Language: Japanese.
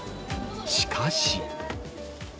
しかし。